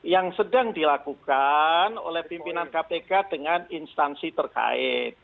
yang sedang dilakukan oleh pimpinan kpk dengan instansi terkait